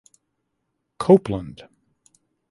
Copeland.